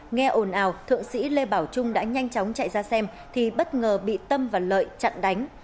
nghe ồn ào thượng sĩ lê bảo trung đã nhanh chóng chạy ra xem thì bất ngờ bị tâm và lợi chặn đánh